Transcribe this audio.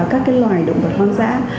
các loài động vật hoang dã